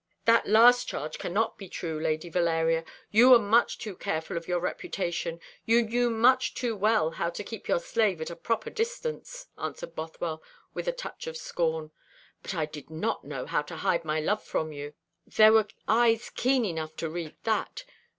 "That last charge cannot be true, Lady Valeria. You were much too careful of your reputation you knew much too well how to keep your slave at a proper distance," answered Bothwell, with a touch of scorn. "But I did not know how to hide my love for you. There were eyes keen enough to read that.